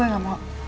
gue gak mau